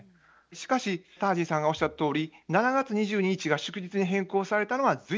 しかしタージンさんがおっしゃったとおり７月２２日が祝日に変更されたのは随分前のことです。